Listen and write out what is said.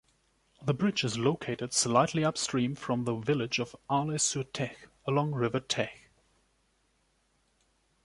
The bridge is located slightly upstream from the village of Arles-sur-Tech, along River Tech.